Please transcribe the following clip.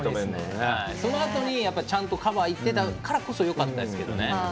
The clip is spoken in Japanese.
そのあとに、ちゃんとカバー行ってたからこそよかった。